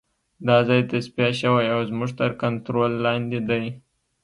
دا ځای تصفیه شوی او زموږ تر کنترول لاندې دی